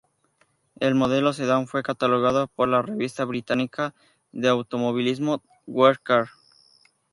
El modelo sedán fue catalogado por la revista británica de automovilismo What Car?